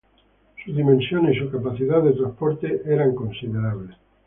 Sus dimensiones y su capacidad de transporte eran considerables.